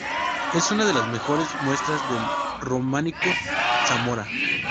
Es una de las mejores muestras del Románico de Zamora.